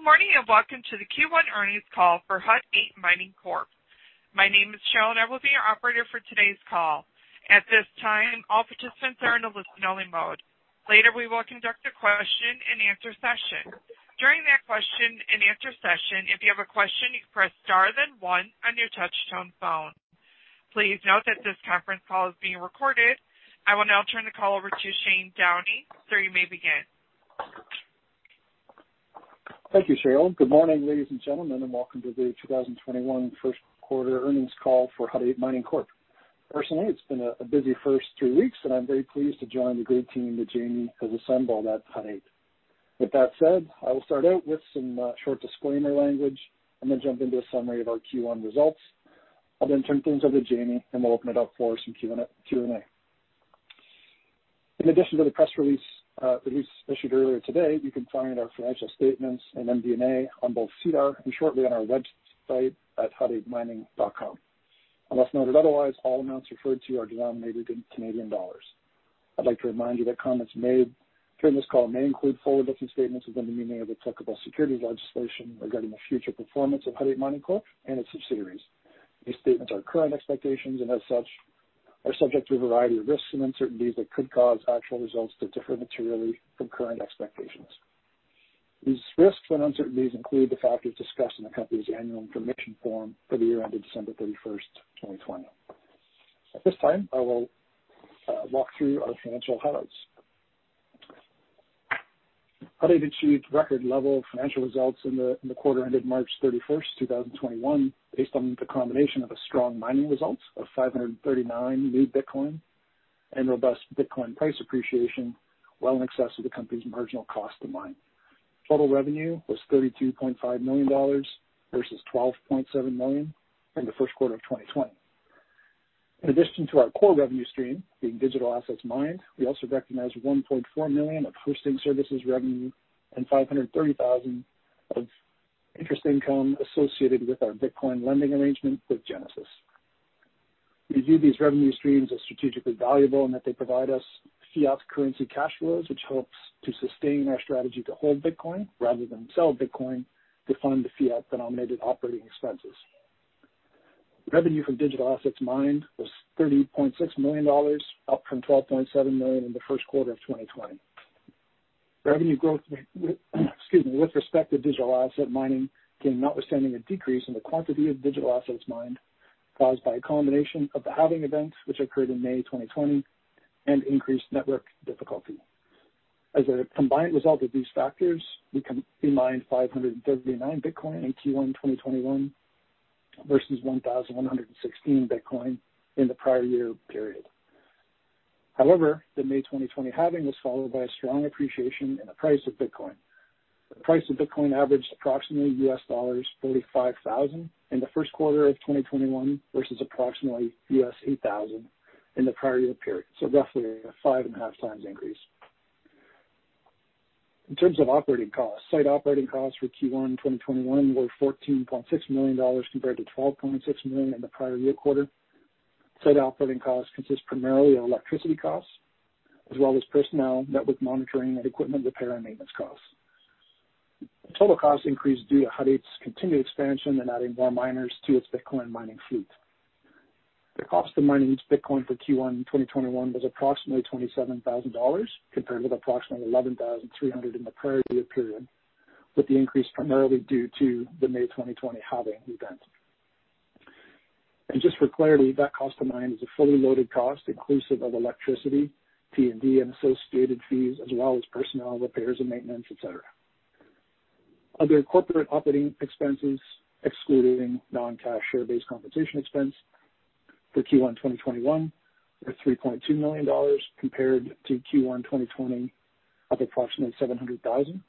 Good morning, welcome to the Q1 earnings call for Hut 8 Mining Corp. My name is Cheryl, and I will be your operator for today's call. At this time, all participants are in a listen-only mode. Later, we will conduct a question-and-answer session. During that question and answer session, if you have a question, you can press star then one on your touch-tone phone. Please note that this conference call is being recorded. I will now turn the call over to Shane Downey. Sir, you may begin. Thank you, Cheryl. Good morning, ladies and gentlemen, and welcome to the 2021 first quarter earnings call for Hut 8 Mining Corp. Personally, it's been a busy first three weeks, and I'm very pleased to join the great team that Jaime has assembled at Hut 8. With that said, I will start out with some short disclaimer language and then jump into a summary of our Q1 results. I'll turn things over to Jaime, and we'll open it up for some Q&A. In addition to the press release that we issued earlier today, you can find our financial statements and MD&A on both SEDAR and shortly on our website at hut8.com. Unless noted otherwise, all amounts referred to are denominated in Canadian dollars. I'd like to remind you that comments made during this call may include forward-looking statements within the meaning of applicable securities legislation regarding the future performance of Hut 8 Mining Corp. and its subsidiaries. These statements are current expectations, and as such, are subject to a variety of risks and uncertainties that could cause actual results to differ materially from current expectations. These risks and uncertainties include the factors discussed in the company's annual information form for the year ended December 31st, 2020. At this time, I will walk through our financial highlights. Hut 8 achieved record-level financial results in the quarter ended March 31st, 2021, based on the combination of strong mining results of 539 new Bitcoin and robust Bitcoin price appreciation well in excess of the company's marginal cost to mine. Total revenue was 32.5 million dollars versus 12.7 million in the first quarter of 2020. In addition to our core revenue stream being digital assets mined, we also recognized 1.4 million of hosting services revenue and 530,000 of interest income associated with our Bitcoin lending arrangement with Genesis. We view these revenue streams as strategically valuable in that they provide us fiat currency cash flows, which helps to sustain our strategy to hold Bitcoin rather than sell Bitcoin to fund the fiat-denominated operating expenses. Revenue from digital assets mined was 30.6 million dollars, up from 12.7 million in the first quarter of 2020. Revenue growth with respect to digital asset mining came notwithstanding a decrease in the quantity of digital assets mined caused by a combination of the halving event, which occurred in May 2020, and increased network difficulty. As a combined result of these factors, we can mine 539 Bitcoin in Q1 2021 versus 1,116 Bitcoin in the prior year period. However, the May 2020 halving was followed by a strong appreciation in the price of Bitcoin. The price of Bitcoin averaged approximately US$45,000 in the first quarter of 2021 versus approximately US$8,000 in the prior year period, so roughly a 5.5x increase. In terms of operating costs, site operating costs for Q1 2021 were 14.6 million dollars compared to 12.6 million in the prior year quarter. Site operating costs consist primarily of electricity costs as well as personnel, network monitoring, and equipment repair and maintenance costs. Total costs increased due to Hut 8's continued expansion and adding more miners to its Bitcoin mining fleet. The cost of mining each Bitcoin for Q1 2021 was approximately 27,000 dollars, compared with approximately 11,300 in the prior year period, with the increase primarily due to the May 2020 halving event. Just for clarity, that cost to mine is a fully loaded cost inclusive of electricity, T&D, and associated fees, as well as personnel, repairs and maintenance, et cetera. Other corporate operating expenses, excluding non-cash share-based compensation expense for Q1 2021, were CAD 3.2 million compared to Q1 2020 of approximately 700,000,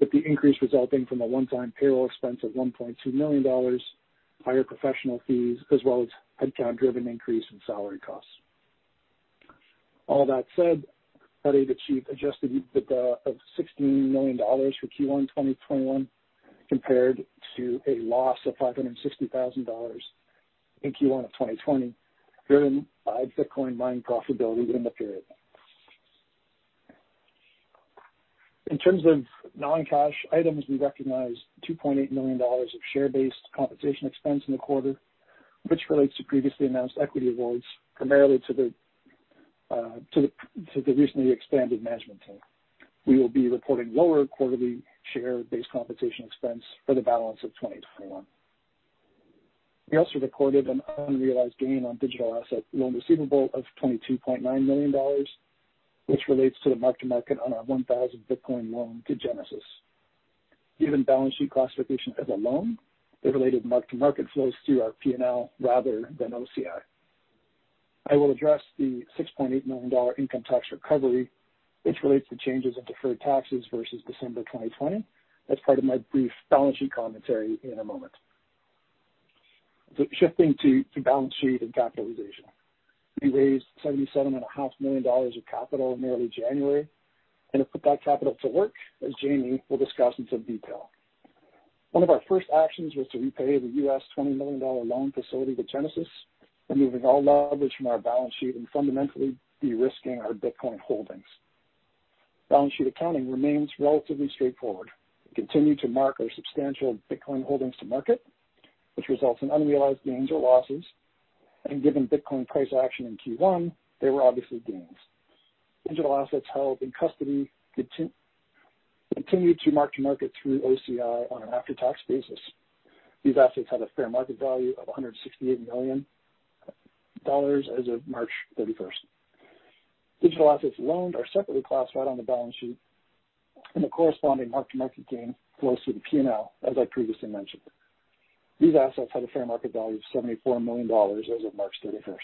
with the increase resulting from a one-time payroll expense of 1.2 million dollars, higher professional fees, as well as headcount-driven increase in salary costs. All that said, Hut 8 achieved adjusted EBITDA of 16 million dollars for Q1 2021 compared to a loss of 560,000 dollars in Q1 of 2020, driven by Bitcoin mining profitability within the period. In terms of non-cash items, we recognized 2.8 million dollars of share-based compensation expense in the quarter, which relates to previously announced equity awards, primarily to the recently expanded management team. We will be reporting lower quarterly share-based compensation expense for the balance of 2021. We also recorded an unrealized gain on digital asset loan receivable of 22.9 million dollars, which relates to the mark-to-market on our 1,000 Bitcoin loan to Genesis. Given balance sheet classification as a loan, the related mark-to-market flows through our P&L rather than OCI. I will address the 6.8 million dollar income tax recovery, which relates to changes in deferred taxes versus December 2020, as part of my brief balance sheet commentary in a moment. Shifting to balance sheet and capitalization. We raised 77.5 million dollars of capital in early January and have put that capital to work, as Jaime will discuss in some detail. One of our first actions was to repay the US $20 million loan facility to Genesis, removing all leverage from our balance sheet and fundamentally de-risking our Bitcoin holdings. Balance sheet accounting remains relatively straightforward. We continue to mark our substantial Bitcoin holdings to market, which results in unrealized gains or losses. Given Bitcoin price action in Q1, they were obviously gains. Digital assets held in custody continue to mark-to-market through OCI on an after-tax basis. These assets had a fair market value of 168 million dollars as of March 31st. Digital assets loaned are separately classified on the balance sheet, and the corresponding mark-to-market gain flows through the P&L, as I previously mentioned. These assets had a fair market value of 74 million dollars as of March 31st.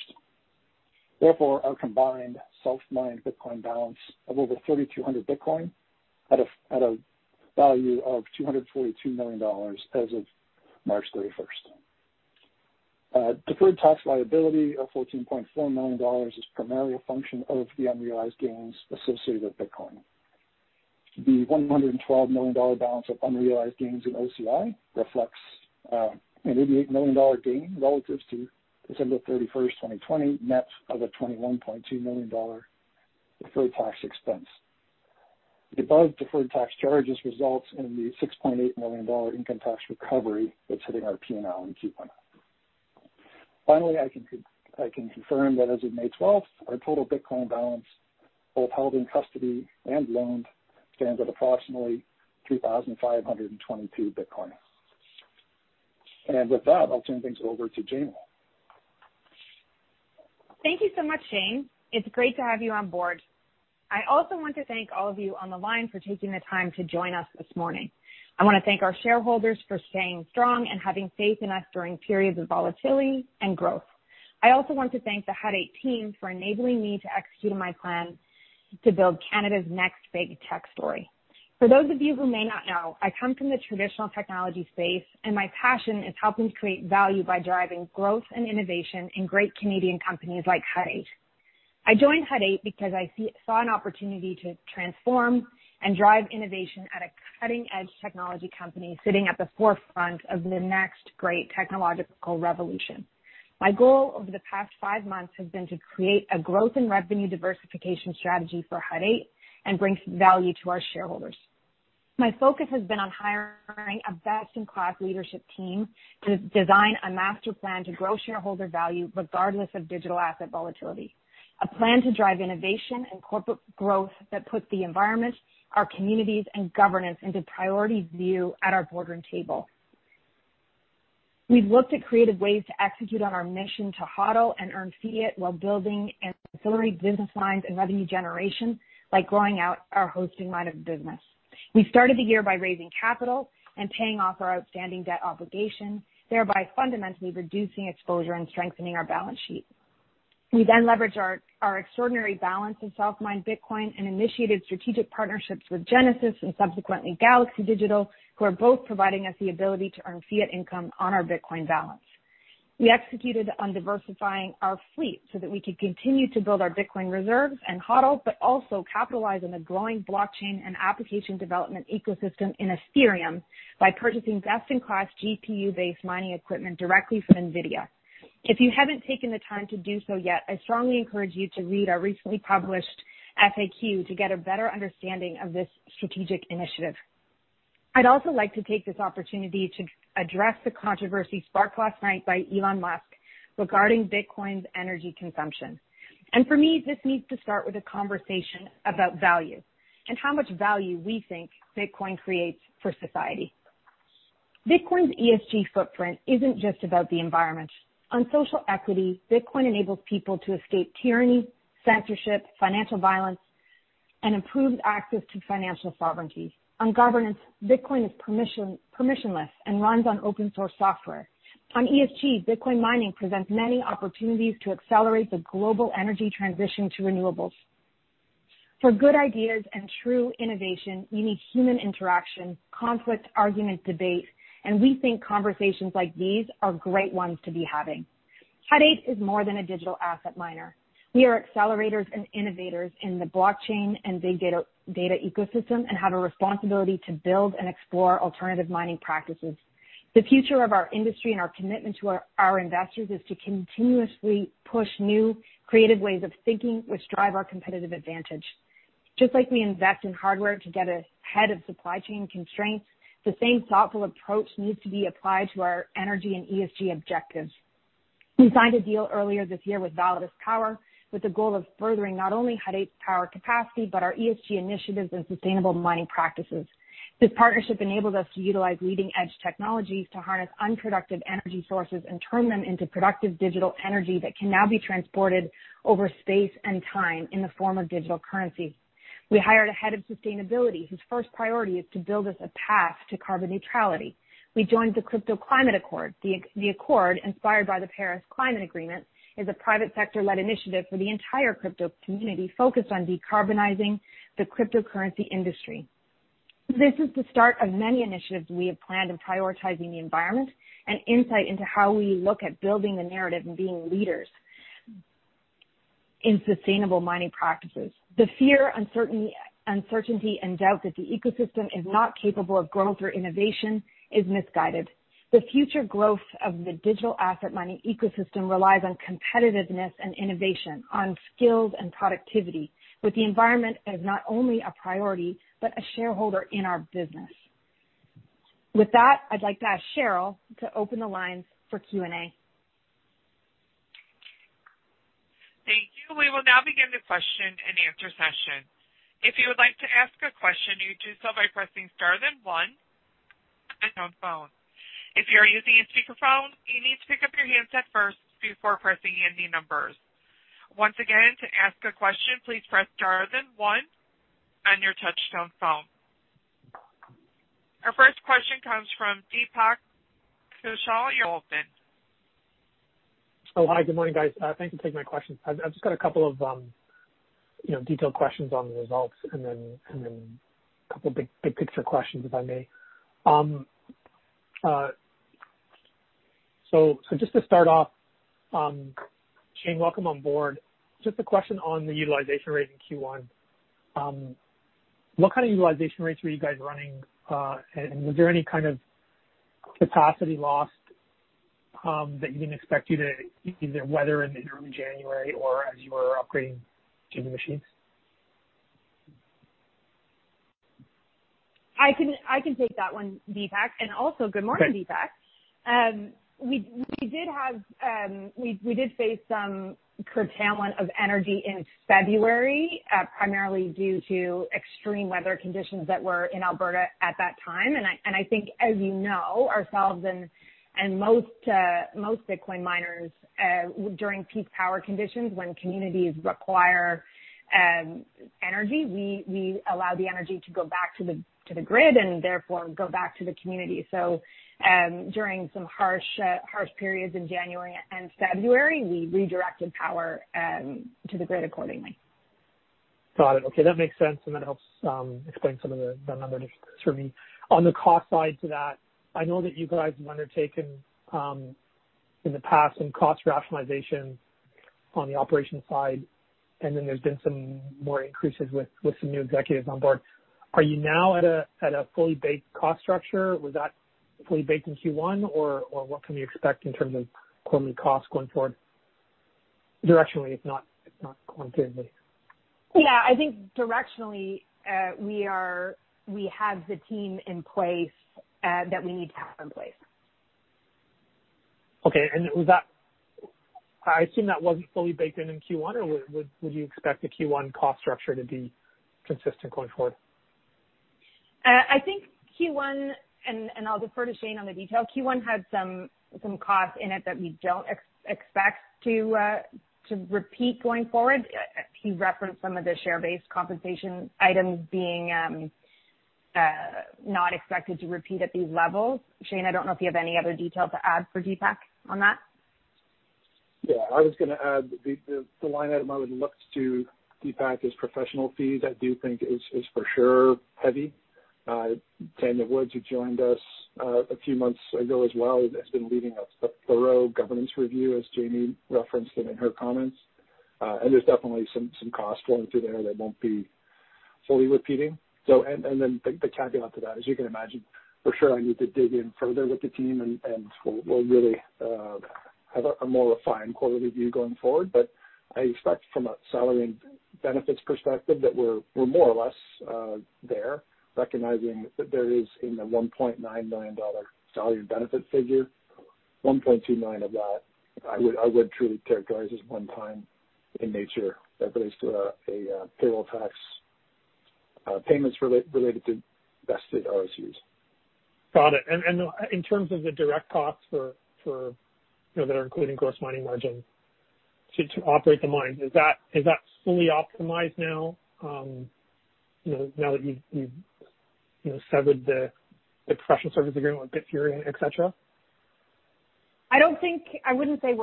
Our combined self-mined Bitcoin balance of over 3,200 Bitcoin had a value of 242 million dollars as of March 31st. Deferred tax liability of 14.4 million dollars is primarily a function of the unrealized gains associated with Bitcoin. The 112 million dollar balance of unrealized gains in OCI reflects a 88 million dollar gain relative to December 31st, 2020, net of a 21.2 million dollar deferred tax expense. The above-deferred tax charges results in the 6.8 million dollar income tax recovery that's hitting our P&L in Q1. Finally, I can confirm that as of May 12th, our total Bitcoin balance, both held in custody and loaned, stands at approximately 3,522 Bitcoin. With that, I'll turn things over to Jaime Thank you so much, Shane. It's great to have you on board. I also want to thank all of you on the line for taking the time to join us this morning. I want to thank our shareholders for staying strong and having faith in us during periods of volatility and growth. I also want to thank the Hut 8 team for enabling me to execute on my plan to build Canada's next big tech story. For those of you who may not know, I come from the traditional technology space, and my passion is helping create value by driving growth and innovation in great Canadian companies like Hut 8. I joined Hut 8 because I saw an opportunity to transform and drive innovation at a cutting-edge technology company sitting at the forefront of the next great technological revolution. My goal over the past five months has been to create a growth in revenue diversification strategy for Hut 8 and bring value to our shareholders. My focus has been on hiring a best-in-class leadership team to design a master plan to grow shareholder value regardless of digital asset volatility. A plan to drive innovation and corporate growth that puts the environment, our communities, and governance into priority view at our boardroom table. We've looked at creative ways to execute on our mission to HODL and earn fiat while building ancillary business lines and revenue generation, like growing out our hosting line of business. We started the year by raising capital and paying off our outstanding debt obligation, thereby fundamentally reducing exposure and strengthening our balance sheet. We leveraged our extraordinary balance in self-mined Bitcoin and initiated strategic partnerships with Genesis and subsequently Galaxy Digital, who are both providing us the ability to earn fiat income on our Bitcoin balance. We executed on diversifying our fleet so that we could continue to build our Bitcoin reserves and HODL, but also capitalize on the growing blockchain and application development ecosystem in Ethereum by purchasing best-in-class GPU-based mining equipment directly from NVIDIA. If you haven't taken the time to do so yet, I strongly encourage you to read our recently published FAQ to get a better understanding of this strategic initiative. I'd also like to take this opportunity to address the controversy sparked last night by Elon Musk regarding Bitcoin's energy consumption. For me, this needs to start with a conversation about value and how much value we think Bitcoin creates for society. Bitcoin's ESG footprint isn't just about the environment. On social equity, Bitcoin enables people to escape tyranny, censorship, financial violence, and improved access to financial sovereignty. On governance, Bitcoin is permissionless and runs on open-source software. On ESG, Bitcoin mining presents many opportunities to accelerate the global energy transition to renewables. For good ideas and true innovation, you need human interaction, conflict, argument, debate, and we think conversations like these are great ones to be having. Hut 8 is more than a digital asset miner. We are accelerators and innovators in the blockchain and big data ecosystem, and have a responsibility to build and explore alternative mining practices. The future of our industry and our commitment to our investors is to continuously push new creative ways of thinking, which drive our competitive advantage. Just like we invest in hardware to get ahead of supply chain constraints, the same thoughtful approach needs to be applied to our energy and ESG objectives. We signed a deal earlier this year with Validus Power with the goal of furthering not only Hut 8's power capacity, but our ESG initiatives and sustainable mining practices. This partnership enables us to utilize leading-edge technologies to harness unproductive energy sources and turn them into productive digital energy that can now be transported over space and time in the form of digital currency. We hired a head of sustainability, whose first priority is to build us a path to carbon neutrality. We joined the Crypto Climate Accord. The accord, inspired by the Paris Climate Agreement, is a private sector-led initiative for the entire crypto community focused on decarbonizing the cryptocurrency industry. This is the start of many initiatives we have planned in prioritizing the environment and insight into how we look at building the narrative and being leaders in sustainable mining practices. The fear, uncertainty, and doubt that the ecosystem is not capable of growth or innovation is misguided. The future growth of the digital asset mining ecosystem relies on competitiveness and innovation, on skills and productivity, with the environment as not only a priority but a shareholder in our business. With that, I'd like to ask Cheryl to open the lines for Q&A. Thank you. We will now begin the question and answer session. If you would like to ask a question, you do so by pressing star then one on your phone. If you are using a speakerphone, you need to pick up your handset first before pressing any numbers. Once again, to ask a question, please press star then one on your touch-tone phone. Our first question comes from Deepak Kaushal. You are open. Oh, hi. Good morning, guys. Thanks for taking my questions. I've just got a couple of detailed questions on the results and then a couple of big picture questions, if I may. Just to start off, Shane, welcome on board. Just a question on the utilization rate in Q1. Was there any kind of capacity lost that you didn't expect you to either whether in early January or as you were upgrading to the machines? I can take that one, Deepak, and also good morning, Deepak. Okay. We did face some curtailment of energy in February, primarily due to extreme weather conditions that were in Alberta at that time. I think, as you know, ourselves and most Bitcoin miners, during peak power conditions, when communities require energy, we allow the energy to go back to the grid and therefore go back to the community. During some harsh periods in January and February, we redirected power to the grid accordingly. Got it. Okay, that makes sense. That helps explain some of the numbers for me. On the cost side to that, I know that you guys have undertaken in the past some cost rationalization on the operations side. Then there's been some more increases with some new executives on board. Are you now at a fully baked cost structure? Was that fully baked in Q1, or what can we expect in terms of quarterly costs going forward? Directionally, if not quantitatively. Yeah, I think directionally, we have the team in place that we need to have in place. Okay. I assume that wasn't fully baked in in Q1, or would you expect the Q1 cost structure to be consistent going forward? I think Q1, and I'll defer to Shane on the detail. Q1 had some costs in it that we don't expect to repeat going forward. He referenced some of the share-based compensation items being not expected to repeat at these levels. Shane, I don't know if you have any other detail to add for Deepak on that. I was going to add the line item I would look to Deepak is professional fees, I do think is for sure heavy. Daniel Woods, who joined us a few months ago as well, has been leading a thorough governance review, as Jaime referenced it in her comments. There's definitely some cost flowing through there that won't be fully repeating. The caveat to that, as you can imagine, for sure, I need to dig in further with the team, and we'll really have a more refined quarterly view going forward. I expect from a salary and benefits perspective that we're more or less there, recognizing that there is in the 1.9 million dollar salary and benefit figure, 1.29 of that I would truly characterize as one-time in nature that relates to payroll tax payments related to vested RSUs. Got it. In terms of the direct costs that are included in gross mining margin to operate the mines, is that fully optimized now that you've severed the professional service agreement with Bitfury, et cetera? I wouldn't say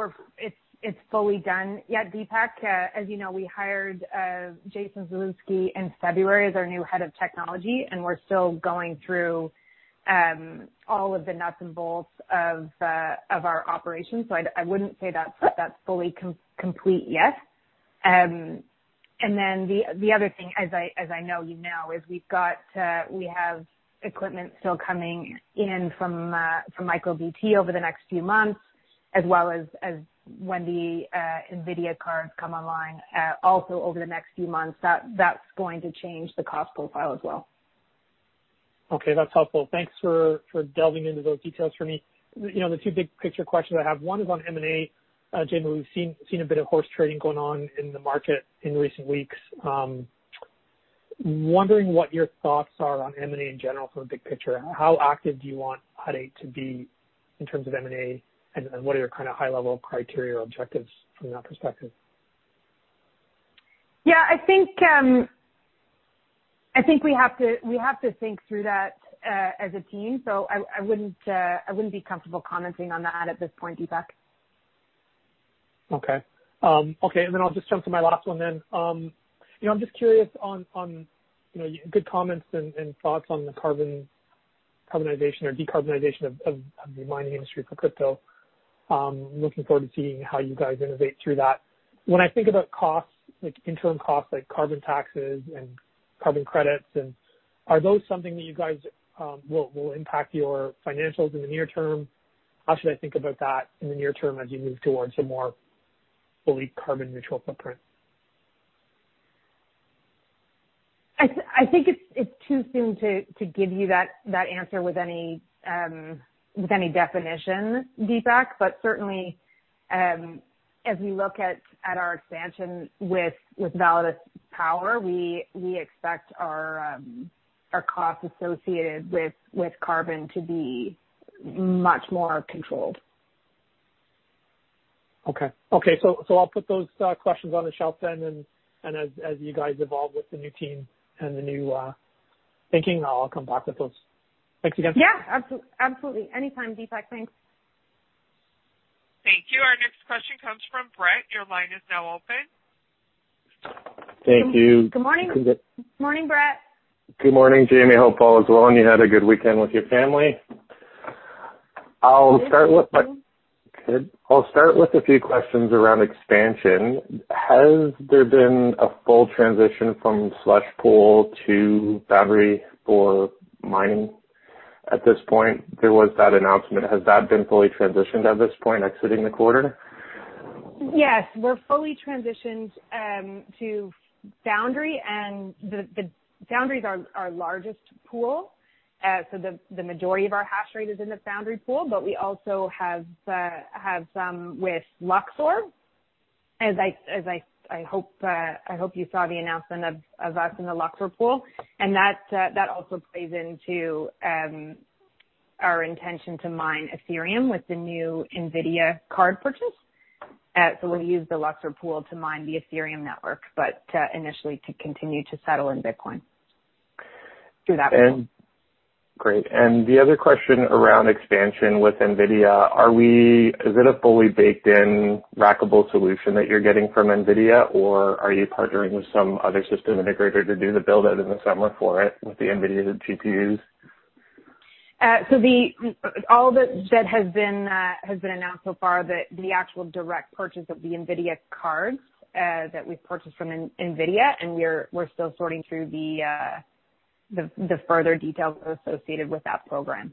it's fully done yet, Deepak. As you know, we hired Jason Zaluski in February as our new Head of Technology, and we're still going through all of the nuts and bolts of our operations. I wouldn't say that's fully complete yet. The other thing, as I know you know, is we have equipment still coming in from MicroBT over the next few months, as well as when the NVIDIA cards come online also over the next few months. That's going to change the cost profile as well. Okay, that's helpful. Thanks for delving into those details for me. The two big picture questions I have, one is on M&A. Jaime, we've seen a bit of horse trading going on in the market in recent weeks. Wondering what your thoughts are on M&A in general from a big picture. How active do you want Hut 8 to be in terms of M&A, and what are your kind of high-level criteria or objectives from that perspective? Yeah, I think we have to think through that as a team. I wouldn't be comfortable commenting on that at this point, Deepak. Okay. I'll just jump to my last one. I'm just curious on good comments and thoughts on the decarbonization of the mining industry for crypto. I'm looking forward to seeing how you guys innovate through that. When I think about costs, like interim costs, like carbon taxes and carbon credits, are those something that will impact your financials in the near term? How should I think about that in the near term as you move towards a more fully carbon-neutral footprint? I think it's too soon to give you that answer with any definition, Deepak. Certainly, as we look at our expansion with Validus Power, we expect our costs associated with carbon to be much more controlled. Okay. I'll put those questions on the shelf then, and as you guys evolve with the new team and the new thinking, I'll come back with those. Thanks again. Yeah, absolutely. Anytime, Deepak. Thanks. Thank you. Our next question comes from Brett. Your line is now open. Thank you. Good morning, Brett. Good morning, Jaime. Hope all is well, and you had a good weekend with your family. Good, thank you. Good. I'll start with a few questions around expansion. Has there been a full transition from Slush Pool to Foundry for mining at this point? There was that announcement. Has that been fully transitioned at this point, exiting the quarter? Yes. We're fully transitioned to Foundry. Foundry's our largest pool. The majority of our hash rate is in the Foundry pool. We also have some with Luxor. I hope you saw the announcement of us in the Luxor pool. That also plays into our intention to mine Ethereum with the new NVIDIA card purchase. We'll use the Luxor pool to mine the Ethereum network, initially to continue to settle in Bitcoin through that pool. Great. The other question around expansion with NVIDIA is it a fully baked in rackable solution that you're getting from NVIDIA, or are you partnering with some other system integrator to do the build-out in the summer for it with the NVIDIA GPUs? All that has been announced so far, the actual direct purchase of the NVIDIA cards that we've purchased from NVIDIA, and we're still sorting through the further details associated with that program.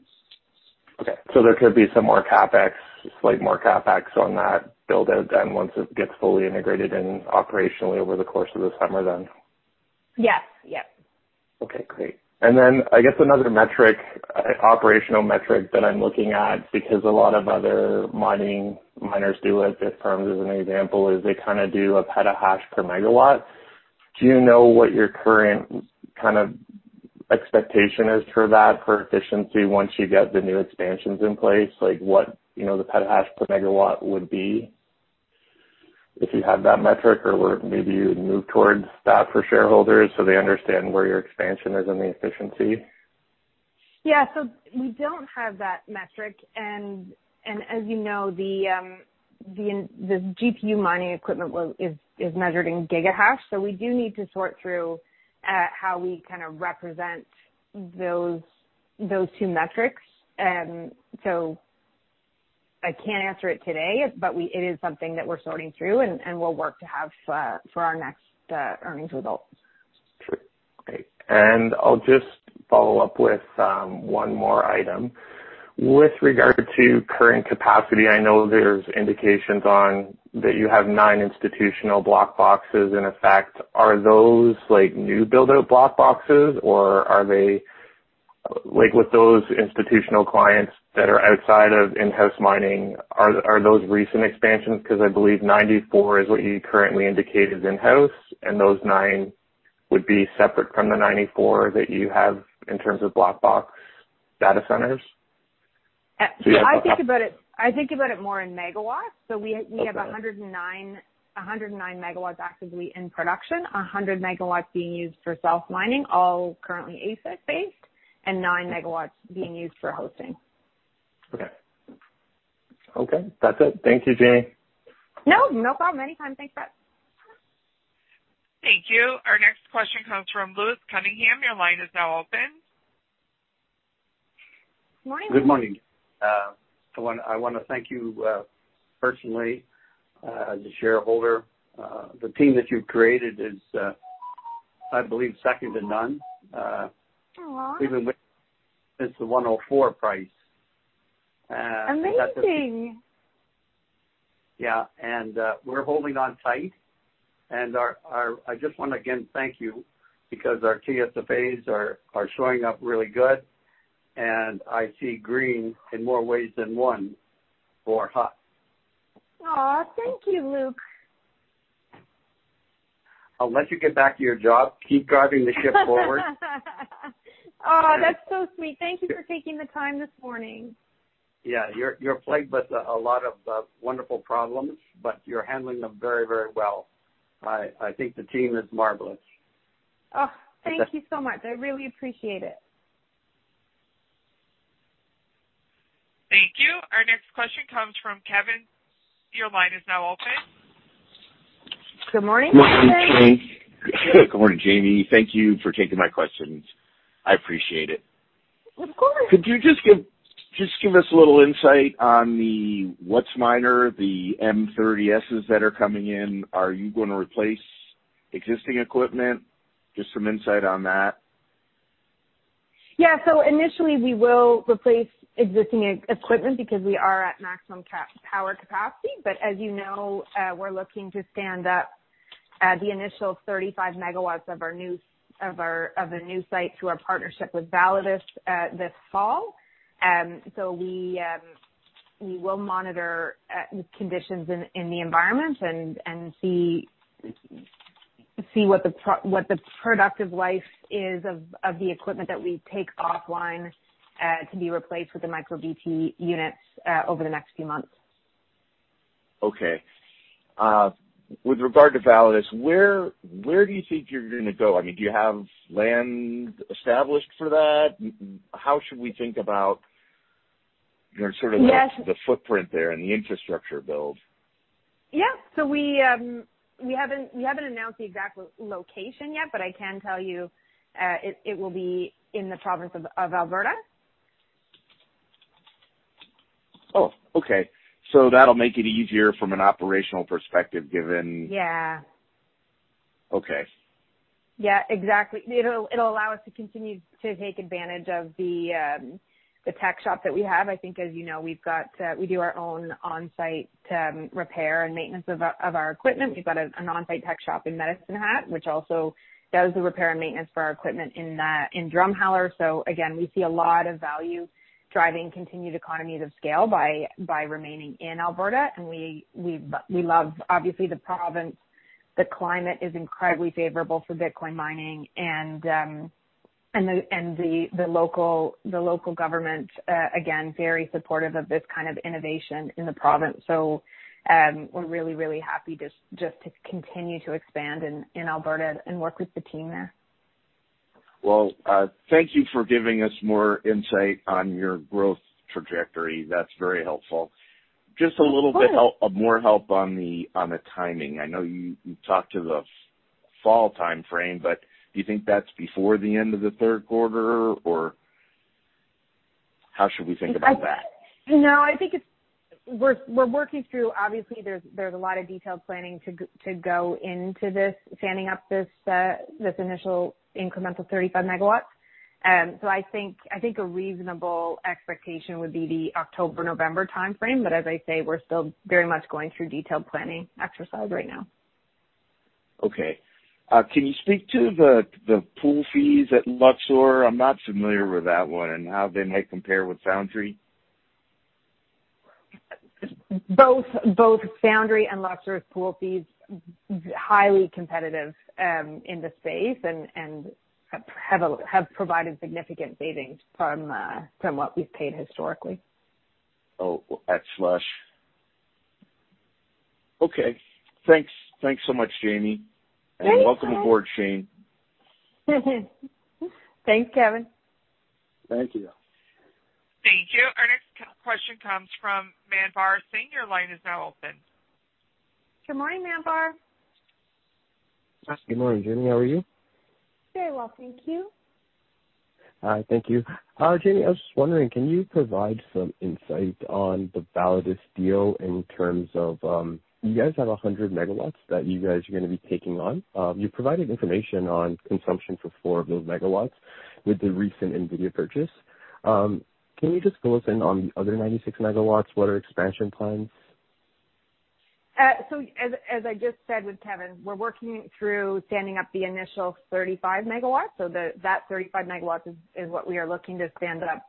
Okay. There could be some more CapEx, slight more CapEx on that build-out then once it gets fully integrated in operationally over the course of the summer, then? Yes. Okay, great. Then I guess another operational metric that I'm looking at, because a lot of other miners do it, Bitfarms as an example, is they kind of do a petahash per megawatt. Do you know what your current kind of expectation is for that for efficiency once you get the new expansions in place? Like what the petahash per megawatt would be if you have that metric or where maybe you would move towards that for shareholders so they understand where your expansion is in the efficiency? Yeah. We don't have that metric. As you know, the GPU mining equipment is measured in gigahash. We do need to sort through how we kind of represent those two metrics. I can't answer it today, but it is something that we're sorting through, and we'll work to have for our next earnings results. Sure. Great. I'll just follow up with one more item. With regard to current capacity, I know there's indications on that you have nine institutional BlockBoxes in effect. Are those new build-out BlockBoxes, or are they like with those institutional clients that are outside of in-house mining, are those recent expansions? I believe 94 is what you currently indicated is in-house, and those nine would be separate from the 94 that you have in terms of BlockBox data centers. I think about it more in megawatts. We have 109 MW actively in production, 100 MW being used for self-mining, all currently ASIC-based, and 9 MW being used for hosting. Okay. That's it. Thank you, Jaime. No, no problem. Anytime. Thanks, Brett. Thank you. Our next question comes from Luke Cunningham. Your line is now open. Morning, Luke. Good morning. I want to thank you personally as a shareholder. The team that you've created is, I believe, second to none. Even with since the 1.04 price. Amazing. Yeah. We're holding on tight. I just want to, again, thank you because our TFSAs are showing up really good, and I see green in more ways than one for Hut. Aw, thank you, Luke. I'll let you get back to your job. Keep driving the ship forward. That's so sweet. Thank you for taking the time this morning. Yeah. You're plagued with a lot of wonderful problems, but you're handling them very well. I think the team is marvelous. Oh, thank you so much. I really appreciate it. Thank you. Our next question comes from Kevin. Your line is now open. Good morning, Kevin. Good morning, Jaime. Thank you for taking my questions. I appreciate it. Of course. Could you just give us a little insight on the WhatsMiner, the M30Ss that are coming in? Are you going to replace existing equipment? Just some insight on that. Yeah. Initially, we will replace existing equipment because we are at maximum power capacity. As you know, we're looking to stand up the initial 35 MW of the new site through our partnership with Validus this fall. We will monitor conditions in the environment and see what the productive life is of the equipment that we take offline, to be replaced with the MicroBT units, over the next few months. Okay. With regard to Validus, where do you think you're going to go? Do you have land established for that? How should we think about sort of the footprint there and the infrastructure build? Yeah. We haven't announced the exact location yet, but I can tell you it will be in the province of Alberta. Okay. That'll make it easier from an operational perspective, given. Yeah. Okay. Yeah, exactly. It'll allow us to continue to take advantage of the tech shop that we have. I think as you know, we do our own on-site repair and maintenance of our equipment. We've got an on-site tech shop in Medicine Hat, which also does the repair and maintenance for our equipment in Drumheller. Again, we see a lot of value driving continued economies of scale by remaining in Alberta. We love, obviously, the province. The climate is incredibly favorable for Bitcoin mining and the local government, again, very supportive of this kind of innovation in the province. We're really, really happy just to continue to expand in Alberta and work with the team there. Well, thank you for giving us more insight on your growth trajectory. That's very helpful. Of course. Just a little bit more help on the timing. I know you talked to the fall timeframe, do you think that's before the end of the third quarter, or how should we think about that? I think we're working through. There's a lot of detailed planning to go into this, standing up this initial incremental 35 MW. I think a reasonable expectation would be the October, November timeframe. As I say, we're still very much going through detailed planning exercise right now. Okay. Can you speak to the pool fees at Luxor? I'm not familiar with that one and how they might compare with Foundry. Both Foundry and Luxor's pool fees, highly competitive in the space and have provided significant savings from what we've paid historically. At Slush. Okay. Thanks so much, Jaime. Thanks, Kevin. Welcome aboard, Shane. Thanks, Kevin. Thank you. Thank you. Our next question comes from Manvar Singh. Your line is now open. Good morning, Manvar. Good morning, Jaime. How are you? Very well, thank you. Hi. Thank you. Jaime, I was just wondering, can you provide some insight on the Validus deal in terms of, you guys have 100 MW that you guys are going to be taking on. You provided information on consumption for four of those megawatts with the recent NVIDIA purchase. Can you just fill us in on the other 96 MW? What are expansion plans? As I just said with Kevin, we're working through standing up the initial 35 MW. That 35 MW is what we are looking to stand up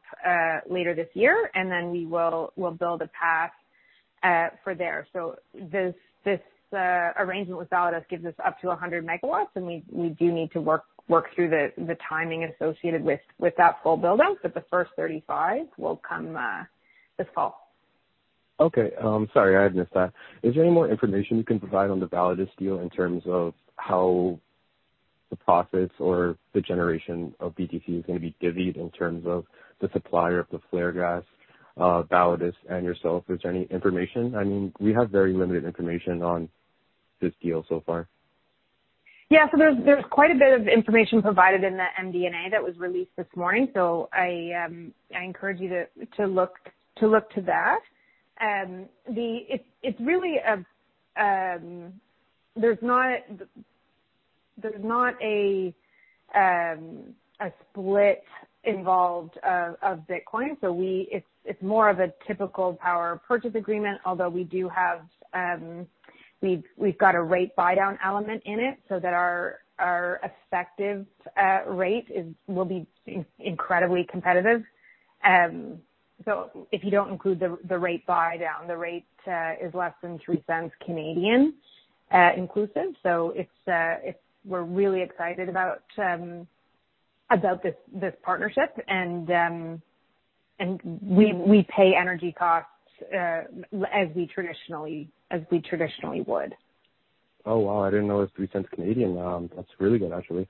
later this year, and then we'll build a path for there. This arrangement with Validus gives us up to 100 MW, and we do need to work through the timing associated with that full build out. The first 35 MW will come this fall. Okay. Sorry, I missed that. Is there any more information you can provide on the Validus deal in terms of how the profits or the generation of BTC is going to be divvied in terms of the supplier of the flare gas, Validus and yourself? Is there any information? We have very limited information on this deal so far. Yeah. There's quite a bit of information provided in the MD&A that was released this morning. I encourage you to look to that. There's not a split involved of Bitcoin, so it's more of a typical power purchase agreement, although we've got a rate buydown element in it so that our effective rate will be incredibly competitive. If you don't include the rate buydown, the rate is less than 0.03, inclusive. We're really excited about this partnership and we pay energy costs as we traditionally would. Oh, wow. I didn't know it's 0.03. That's really good, actually.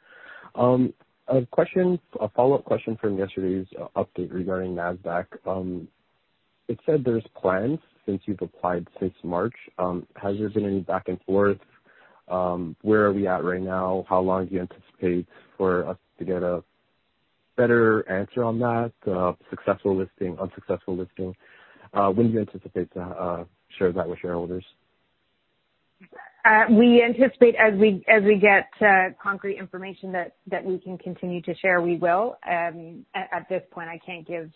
A follow-up question from yesterday's update regarding Nasdaq. It said there's plans since you've applied since March. Has there been any back and forth? Where are we at right now? How long do you anticipate for us to get a better answer on that? Successful listing, unsuccessful listing. When do you anticipate to share that with shareholders? We anticipate as we get concrete information that we can continue to share, we will. At this point, I can't give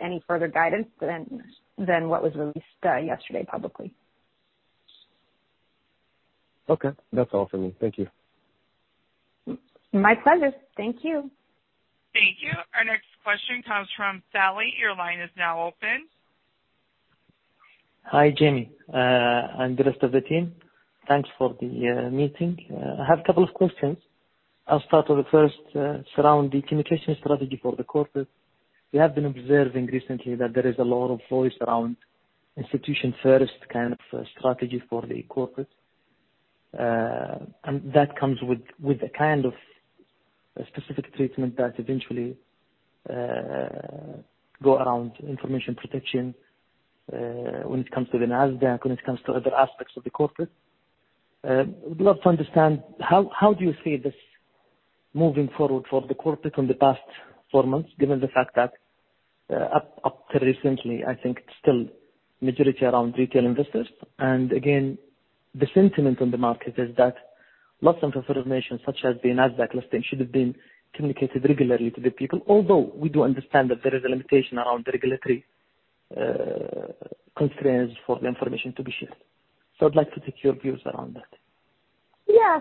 any further guidance than what was released yesterday publicly. Okay. That's all for me. Thank you. My pleasure. Thank you. Thank you. Our next question comes from Sally. Your line is now open. Hi, Jaime, and the rest of the team. Thanks for the meeting. I have a couple of questions. I'll start with the first, surround the communication strategy for the corporate. We have been observing recently that there is a lot of voice around institution-first kind of strategy for the corporate. That comes with a kind of specific treatment that eventually go around information protection, when it comes to the Nasdaq, when it comes to other aspects of the corporate. I would love to understand how do you see this moving forward for the corporate in the past four months, given the fact that up till recently, I think it's still majority around retail investors. Again, the sentiment on the market is that lots of information, such as the Nasdaq listing, should have been communicated regularly to the people, although we do understand that there is a limitation around the regulatory constraints for the information to be shared. I'd like to take your views around that. Yeah.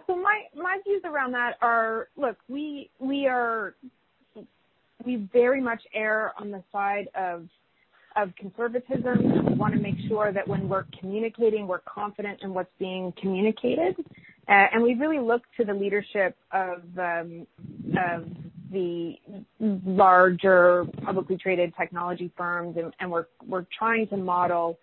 My views around that are, look, we very much err on the side of conservatism. We want to make sure that when we're communicating, we're confident in what's being communicated. We really look to the leadership of the larger publicly traded technology firms. We're trying to model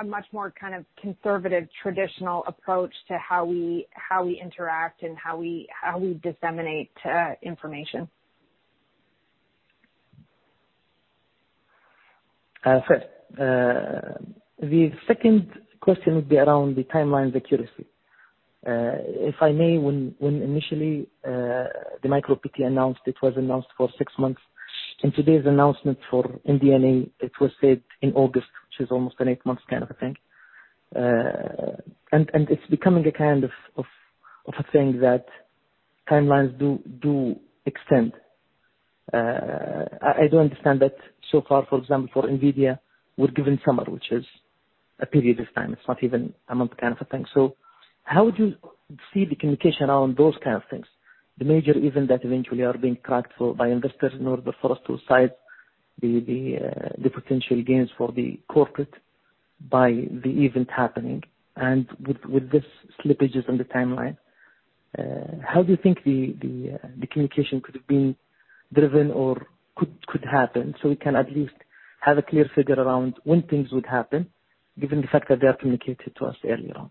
a much more kind of conservative, traditional approach to how we interact and how we disseminate information. The second question would be around the timeline's accuracy. If I may, when initially the MicroBT announced, it was announced for six months. In today's announcement for MD&A, it was said in August, which is almost an eight months kind of a thing. It's becoming a kind of a thing that timelines do extend. I do understand that so far, for example, for NVIDIA, we're given summer, which is a period of time. It's not even a month kind of a thing. How would you see the communication around those kind of things? The major event that eventually are being tracked for by investors in order for us to cite the potential gains for the corporate by the event happening. With these slippages in the timeline, how do you think the communication could have been driven or could happen so we can at least have a clear figure around when things would happen, given the fact that they are communicated to us earlier on?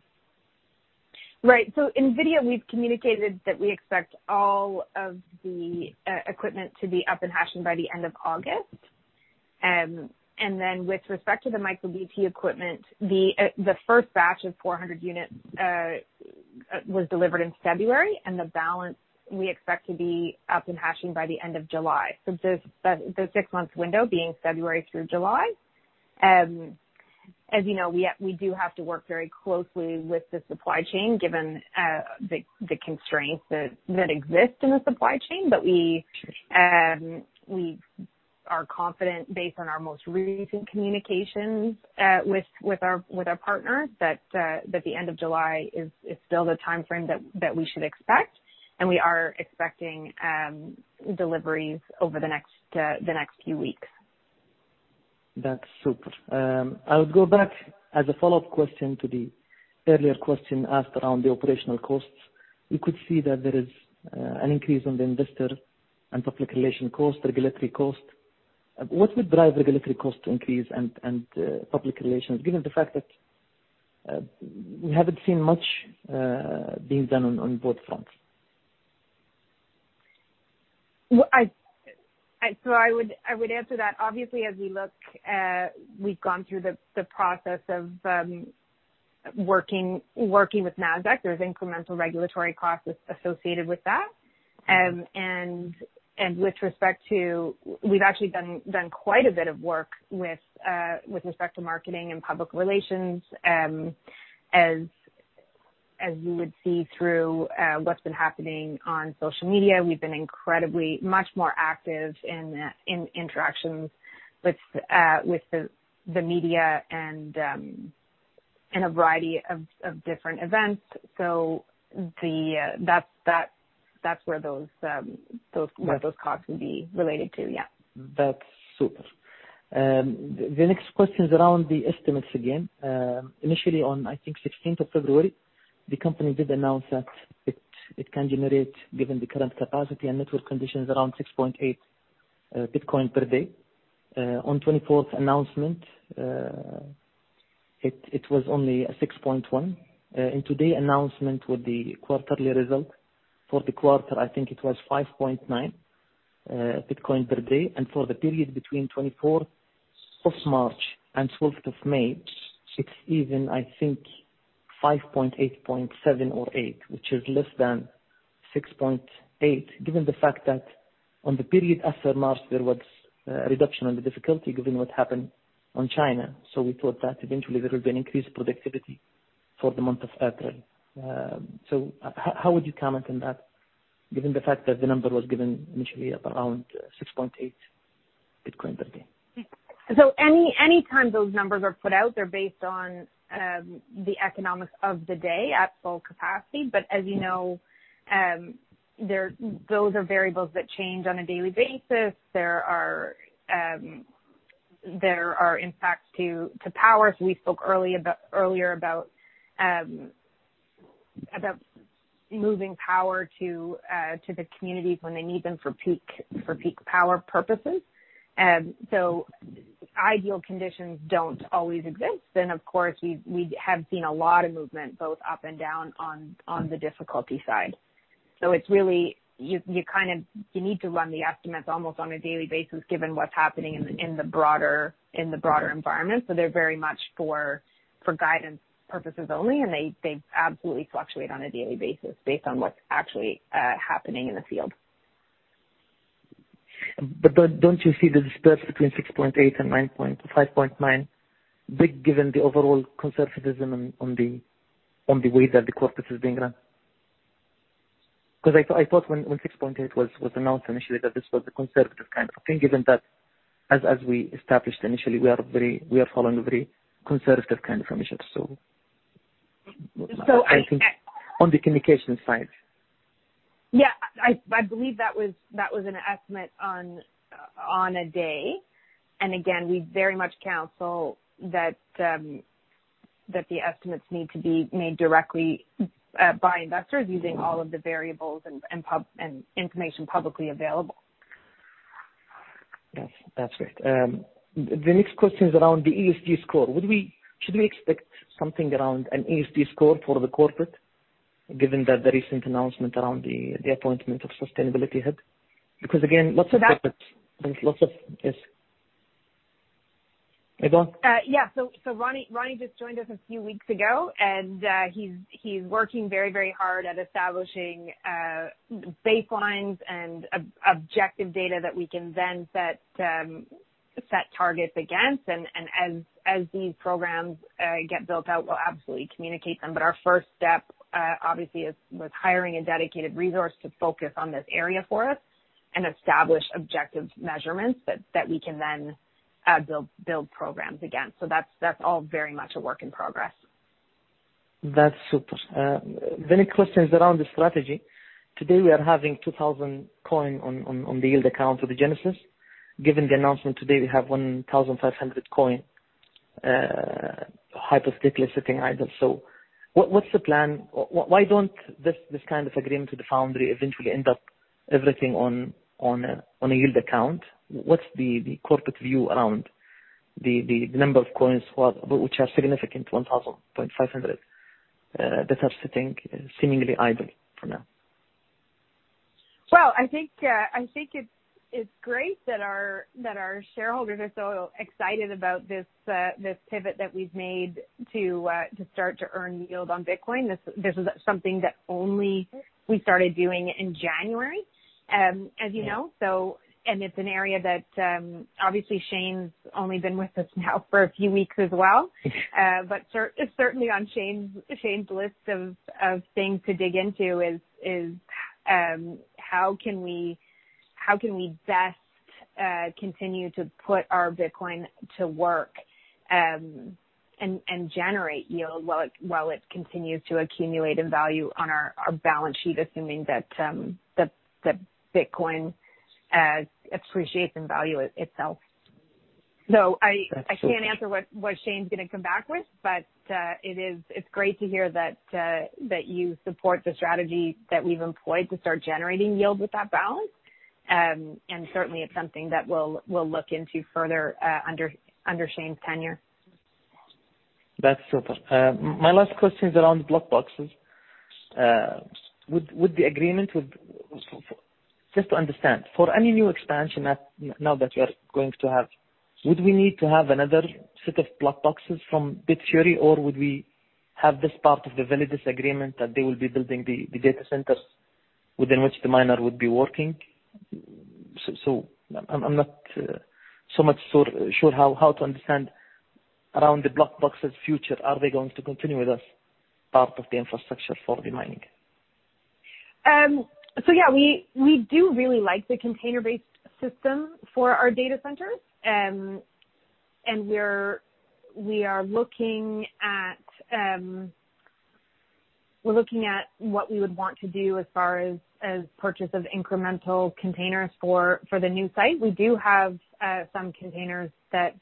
Right. NVIDIA, we've communicated that we expect all of the equipment to be up and hashing by the end of August. With respect to the MicroBT equipment, the first batch of 400 units was delivered in February, and the balance we expect to be up and hashing by the end of July. The six months window being February through July. As you know, we do have to work very closely with the supply chain, given the constraints that exist in the supply chain. We are confident based on our most recent communications with our partners, that the end of July is still the timeframe that we should expect. We are expecting deliveries over the next few weeks. That's super. I would go back as a follow-up question to the earlier question asked around the operational costs. We could see that there is an increase on the investor and public relation cost, regulatory cost. What would drive regulatory cost to increase and public relations, given the fact that we haven't seen much being done on both fronts? I would answer that. Obviously, as we look, we've gone through the process of working with Nasdaq. There's incremental regulatory costs associated with that. We've actually done quite a bit of work with respect to marketing and public relations. As you would see through what's been happening on social media, we've been incredibly much more active in interactions with the media and in a variety of different events. That's where those costs would be related to. That's super. The next question is around the estimates again. Initially on, I think 16th of February, the company did announce that it can generate, given the current capacity and network conditions, around 6.8 Bitcoin per day. On 24th announcement, it was only 6.1. In today announcement with the quarterly result for the quarter, I think it was 5.9 Bitcoin per day. For the period between 24th of March and 12th of May, it's even, I think, 5.8.7 or 8, which is less than 6.8, given the fact that on the period after March, there was a reduction in the difficulty given what happened in China. We thought that eventually there will be an increased productivity for the month of April. How would you comment on that given the fact that the number was given initially at around 6.8 Bitcoin per day? Anytime those numbers are put out, they're based on the economics of the day at full capacity. As you know, those are variables that change on a daily basis. There are impacts to power. We spoke earlier about moving power to the communities when they need them for peak power purposes. Ideal conditions don't always exist. Of course, we have seen a lot of movement both up and down on the difficulty side. You need to run the estimates almost on a daily basis, given what's happening in the broader environment. They're very much for guidance purposes only, and they absolutely fluctuate on a daily basis based on what's actually happening in the field. Don't you see the disparity between 6.8 and 5.9 big, given the overall conservatism on the way that the corporate is being run? Because I thought when 6.8 was announced initially, that this was the conservative kind of thing, given that as we established initially, we are following a very conservative kind of approach. So I- On the communication side. Yeah. I believe that was an estimate on a day. We very much counsel that the estimates need to be made directly by investors using all of the variables and information publicly available. Yes, that's great. The next question is around the ESG score. Should we expect something around an ESG score for the corporate, given the recent announcement around the appointment of sustainability head? Lots of. Yes. I go on? Yeah. Ronnie just joined us a few weeks ago, and he's working very hard at establishing baselines and objective data that we can then set targets against. As these programs get built out, we'll absolutely communicate them. Our first step, obviously, is with hiring a dedicated resource to focus on this area for us and establish objective measurements that we can then build programs against. That's all very much a work in progress. That's super. Many questions around the strategy. Today, we are having 2,000 coin on the yield account for the Genesis. Given the announcement today, we have 1,500 coin hypothetically sitting idle. What's the plan? Why don't this kind of agreement with the Foundry eventually end up everything on a yield account? What's the corporate view around the number of coins which are significant, 1,500, that are sitting seemingly idle for now? Well, I think it's great that our shareholders are so excited about this pivot that we've made to start to earn yield on Bitcoin. This is something that only we started doing in January, as you know. It's an area that obviously Shane's only been with us now for a few weeks as well. Certainly on Shane's list of things to dig into is how can we best continue to put our Bitcoin to work and generate yield while it continues to accumulate in value on our balance sheet, assuming that Bitcoin appreciates in value itself. I can't answer what Shane's going to come back with, but it's great to hear that you support the strategy that we've employed to start generating yield with that balance. Certainly, it's something that we'll look into further under Shane's tenure. That's super. My last question is around the BlockBoxes. Just to understand, for any new expansion now that you are going to have, would we need to have another set of BlockBoxes from Bitfury, or would we have this part of the Validus agreement that they will be building the data centers within which the miner would be working? I'm not so much sure how to understand around the BlockBoxes' future. Are they going to continue with this part of the infrastructure for the mining? Yeah, we do really like the container-based system for our data centers. We're looking at what we would want to do as far as purchase of incremental containers for the new site. We do have some containers that,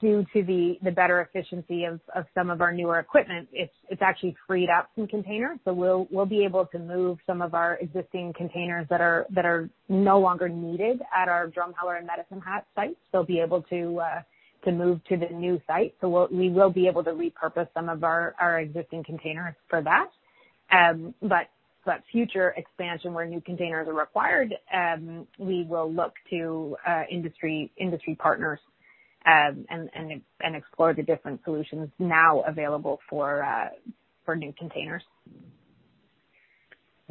due to the better efficiency of some of our newer equipment, it's actually freed up some containers. We'll be able to move some of our existing containers that are no longer needed at our Drumheller and Medicine Hat sites. They'll be able to move to the new site. We will be able to repurpose some of our existing containers for that. Future expansion where new containers are required, we will look to industry partners and explore the different solutions now available for new containers.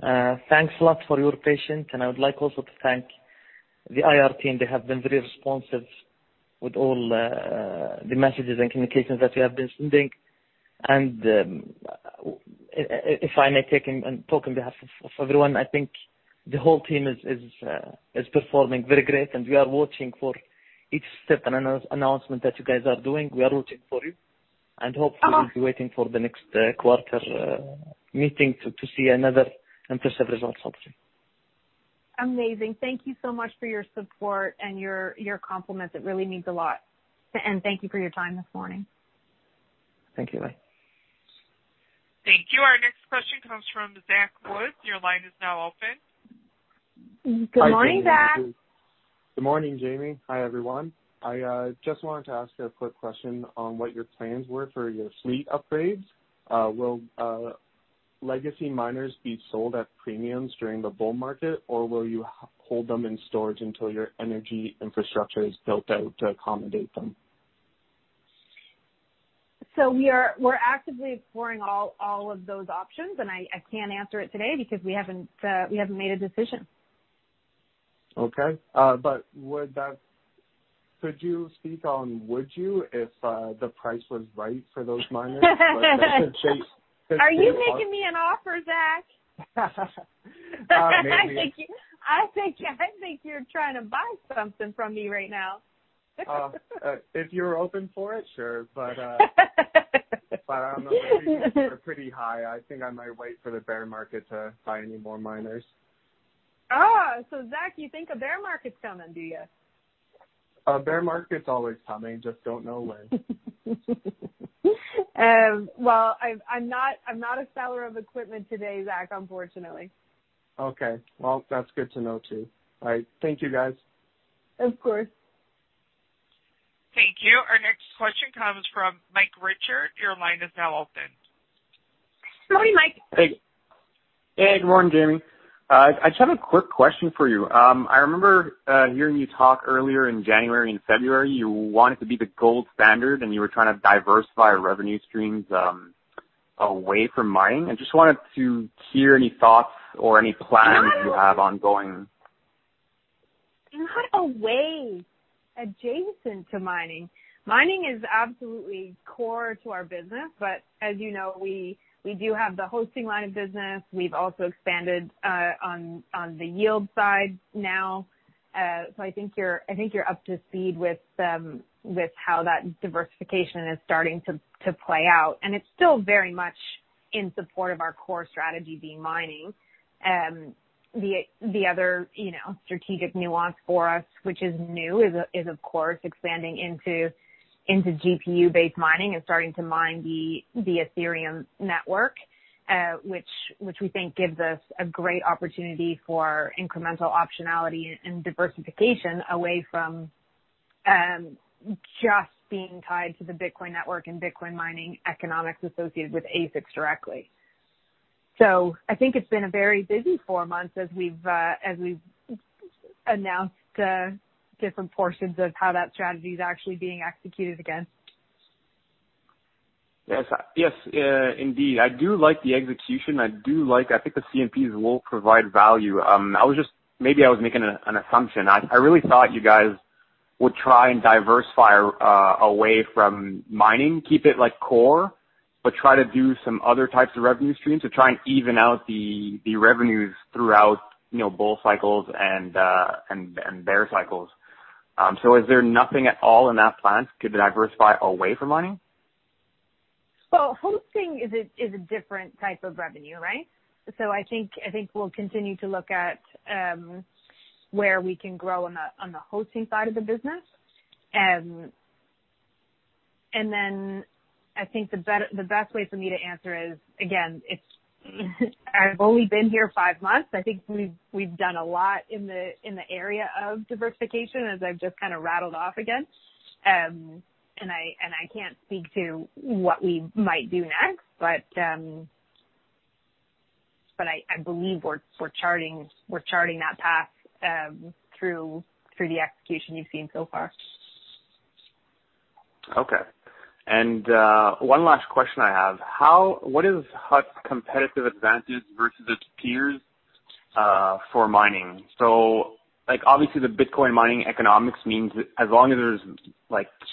Thanks a lot for your patience. I would like also to thank the IR team. They have been very responsive with all the messages and communications that we have been sending. If I may take and talk on behalf of everyone, I think the whole team is performing very great, and we are watching for each step and announcement that you guys are doing. We are rooting for you. We'll be waiting for the next quarter meeting to see another impressive result update. Amazing. Thank you so much for your support and your compliments. It really means a lot. Thank you for your time this morning. Thank you. Bye. Thank you. Our next question comes from Zach Wood. Your line is now open. Good morning, Zach. Good morning, Jaime. Hi, everyone. I just wanted to ask a quick question on what your plans were for your fleet upgrades. Will legacy miners be sold at premiums during the bull market, or will you hold them in storage until your energy infrastructure is built out to accommodate them? We're actively exploring all of those options, and I can't answer it today because we haven't made a decision. Okay. Would you, if the price was right for those miners? Are you making me an offer, Zach? Maybe. I think you're trying to buy something from me right now. If you're open for it, sure. The prices are pretty high. I think I might wait for the bear market to buy any more miners. Zach, you think a bear market's coming, do you? A bear market's always coming, just don't know when. Well, I'm not a seller of equipment today, Zach, unfortunately. Okay. Well, that's good to know, too. All right. Thank you, guys. Of course. Thank you. Our next question comes from Mike Richards. Your line is now open. Good morning, Mike. Hey, good morning, Jaime. I just have a quick question for you. I remember hearing you talk earlier in January and February, you wanted to be the gold standard, and you were trying to diversify revenue streams away from mining. I just wanted to hear any thoughts or any plans you have ongoing. Not away, adjacent to mining. Mining is absolutely core to our business. As you know, we do have the hosting line of business. We've also expanded on the yield side now. I think you're up to speed with how that diversification is starting to play out, and it's still very much in support of our core strategy being mining. The other strategic nuance for us, which is new, is of course expanding into GPU-based mining and starting to mine the Ethereum network, which we think gives us a great opportunity for incremental optionality and diversification away from just being tied to the Bitcoin network and Bitcoin mining economics associated with ASICs directly. I think it's been a very busy four months as we've announced different portions of how that strategy's actually being executed again. Yes. Indeed. I do like the execution. I think the CMPs will provide value. Maybe I was making an assumption. I really thought you guys would try and diversify away from mining, keep it core, but try to do some other types of revenue streams to try and even out the revenues throughout bull cycles and bear cycles. Is there nothing at all in that plan to diversify away from mining? Hosting is a different type of revenue, right? I think we'll continue to look at where we can grow on the hosting side of the business. I think the best way for me to answer is, again, I've only been here five months. I think we've done a lot in the area of diversification, as I've just kind of rattled off again. I can't speak to what we might do next, but I believe we're charting that path through the execution you've seen so far. Okay. One last question I have. What is Hut 8's competitive advantage versus its peers for mining? Obviously, the Bitcoin mining economics means that as long as there's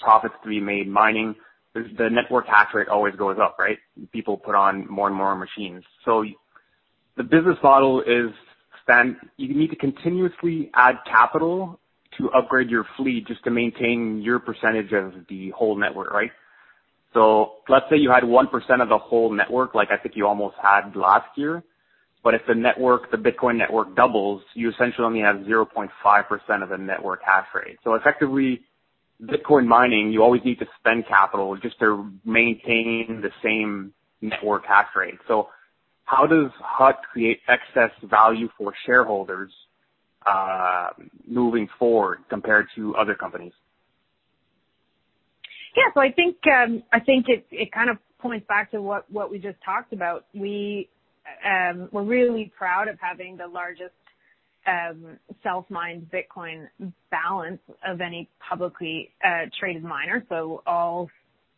profits to be made mining, the network hashrate always goes up, right? People put on more and more machines. The business model is you need to continuously add capital to upgrade your fleet just to maintain your percentage of the whole network, right? Let's say you had 1% of the whole network, like I think you almost had last year. If the Bitcoin network doubles, you essentially only have 0.5% of the network hashrate. Effectively, Bitcoin mining, you always need to spend capital just to maintain the same network hashrate. How does Hut 8 create excess value for shareholders, moving forward, compared to other companies? Yeah. I think it kind of points back to what we just talked about. We're really proud of having the largest self-mined Bitcoin balance of any publicly traded miner. All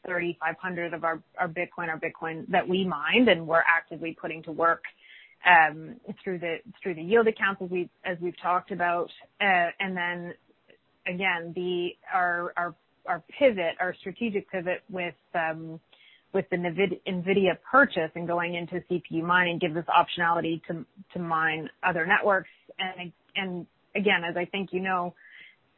3,500 of our Bitcoin are Bitcoin that we mined, and we're actively putting to work through the yield accounts as we've talked about. Our strategic pivot with the NVIDIA purchase and going into GPU mining gives us optionality to mine other networks. As I think you know,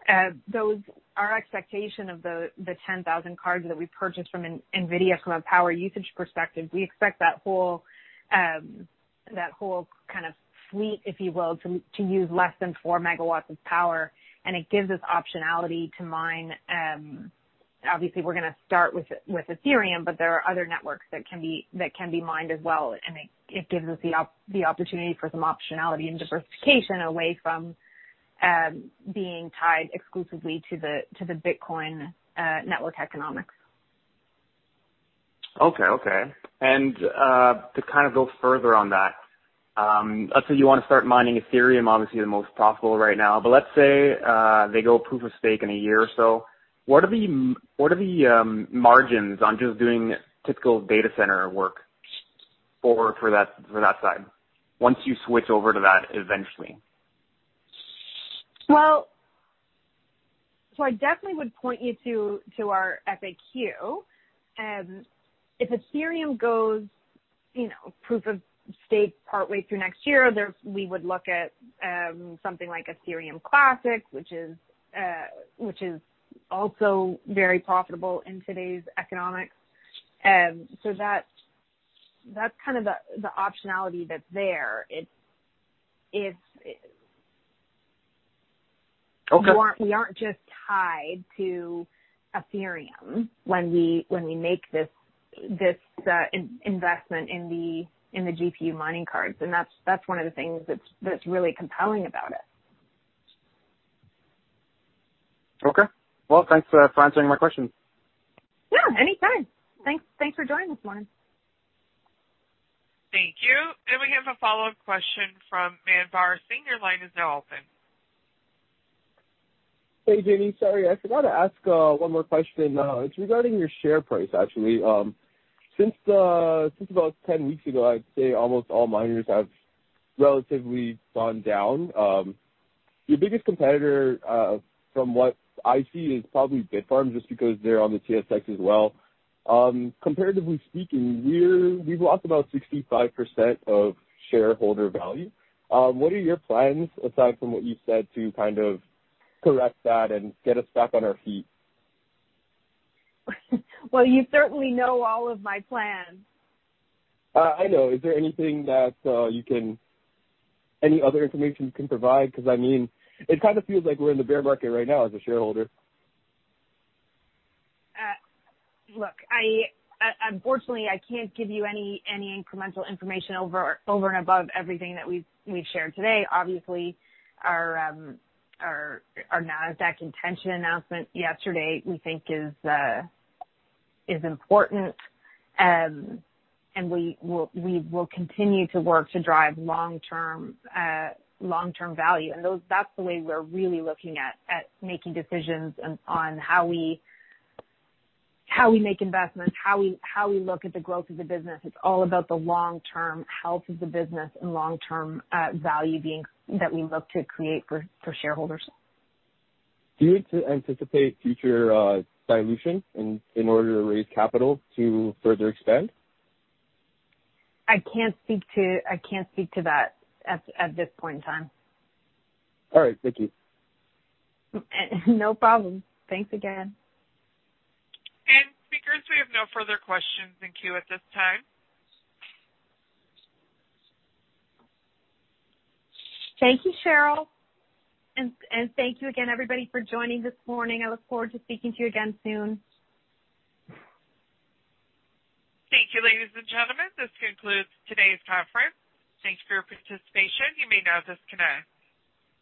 our expectation of the 10,000 cards that we purchased from NVIDIA, from a power usage perspective, we expect that whole kind of fleet, if you will, to use less than 4 MW of power. It gives us optionality to mine. Obviously, we're going to start with Ethereum, but there are other networks that can be mined as well. It gives us the opportunity for some optionality and diversification away from being tied exclusively to the Bitcoin network economics. Okay. To kind of go further on that, let's say you want to start mining Ethereum, obviously the most profitable right now. Let's say they go proof of stake in a year or so. What are the margins on just doing typical data center work for that side once you switch over to that eventually? I definitely would point you to our FAQ. If Ethereum goes proof of stake partway through next year, we would look at something like Ethereum Classic, which is also very profitable in today's economics. That's kind of the optionality that's there. Okay. We aren't just tied to Ethereum when we make this investment in the GPU mining cards. That's one of the things that's really compelling about it. Okay. Well, thanks for answering my question. Yeah, anytime. Thanks for joining this morning. Thank you. We have a follow-up question from Manvar Singh. Your line is now open. Hey, Jaime. Sorry, I forgot to ask one more question. It's regarding your share price, actually. Since about 10 weeks ago, I'd say almost all miners have relatively gone down. Your biggest competitor, from what I see, is probably Bitfarms, just because they're on the TSX as well. Comparatively speaking, we've lost about 65% of shareholder value. What are your plans, aside from what you've said, to kind of correct that and get us back on our feet? Well, you certainly know all of my plans. I know. Is there any other information you can provide? It kind of feels like we're in the bear market right now as a shareholder. Look, unfortunately, I can't give you any incremental information over and above everything that we've shared today. Obviously, our Nasdaq intention announcement yesterday we think is important. We will continue to work to drive long-term value. That's the way we're really looking at making decisions on how we make investments, how we look at the growth of the business. It's all about the long-term health of the business and long-term value that we look to create for shareholders. Do you anticipate future dilution in order to raise capital to further expand? I can't speak to that at this point in time. All right. Thank you. No problem. Thanks again. Speakers, we have no further questions in queue at this time. Thank you, Cheryl. Thank you again, everybody, for joining this morning. I look forward to speaking to you again soon. Thank you, ladies and gentlemen. This concludes today's conference. Thanks for your participation. You may now disconnect.